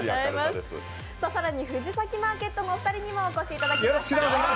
更に藤崎マーケットのお二人にもお越しいただきました。